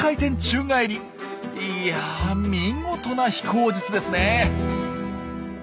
いや見事な飛行術ですね。